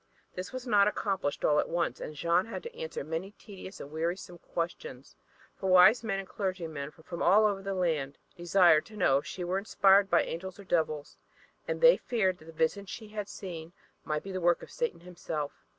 This was not accomplished all at once, and Jeanne had to answer many tedious and wearisome questions; for wise men and clergymen from all over the land desired to know if she were inspired by angels or devils, and they feared that the visions she had seen might be the work of Satan himself.